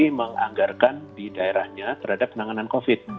yang menganggarkan di daerahnya terhadap penanganan covid